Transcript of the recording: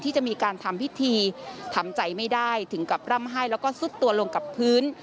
จะมีการทำพิธีทำใจไม่ได้ถึงกับร่ำไห้แล้วก็ซุดตัวลงกับพื้น